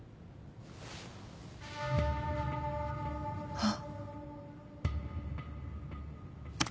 あっ。